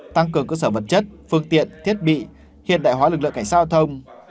tăng cường cơ sở vật chất phương tiện thiết bị hiện đại hóa lực lượng cảnh sát giao thông